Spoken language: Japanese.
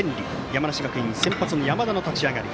山梨学院、先発山田の立ち上がり。